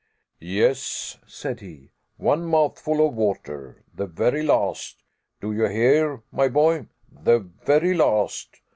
"Yes," said he, "one mouthful of water, the very last do you hear, my boy the very last!